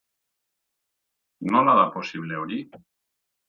Nola da posible hori?